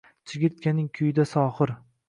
Chigirtkaning kuyi-da sohir